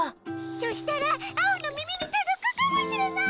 そしたらアオのみみにとどくかもしれない！